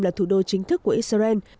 là thủ đô chính thức của israel